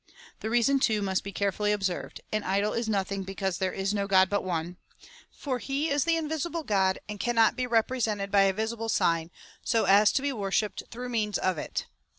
The reason, too, must be carefully observed — An idol is nothing because there is no God but one ; for he is the invisible God, and cannot be represented by a visible sign, so as to be wor shipped through means of it.